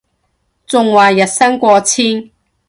仲話日薪過千